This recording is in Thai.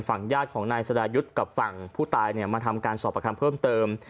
ฝั่งญาติของนายสรายุทธ์กับฝั่งผู้ตายเนี่ยมาทำการสอบประคำเพิ่มเติม